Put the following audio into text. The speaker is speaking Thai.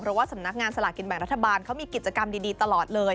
เพราะว่าสำนักงานสลากินแบ่งรัฐบาลเขามีกิจกรรมดีตลอดเลย